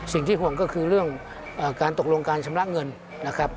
สิ่งที่ห่วงก็คือเรื่องการตกลงการชำระเงินนะครับ